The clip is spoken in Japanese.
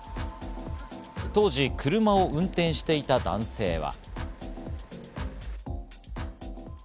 当時、車を運転していた男性は。